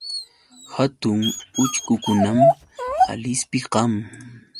Hatun uchkukunam Alispi kan.